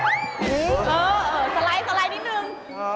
เออสลายนิดหนึ่ง